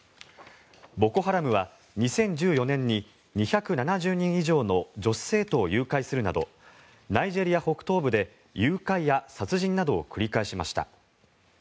ボコ・ハラムは２０１４年に２７０人以上の女子生徒を誘拐するなどナイジェリア北東部で誘拐や殺人などを繰り返しました。